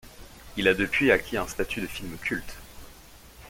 Il a depuis acquis un statut de film culte.